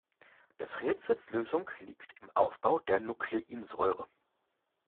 Des Rätsels Lösung liegt im Aufbau der Nukleinsäure.